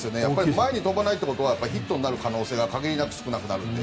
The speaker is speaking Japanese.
前に飛ばないということはヒットになる可能性が限りなく少なくなるんで。